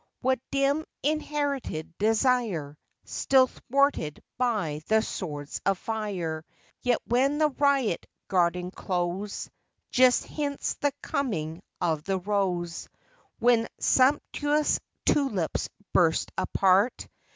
What dim, inherited desire, Still thwarted by the swords of fire ! Yet when the riot garden close Just hints the coming of the rose ; When sumptuous tulips burst apart, MA Y.